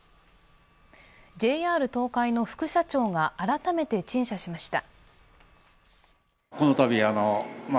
ＪＲ東海の副社長が改めて陳謝しました。